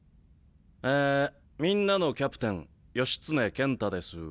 えみんなのキャプテン義経健太です。